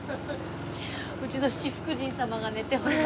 うちの七福神様が寝ております。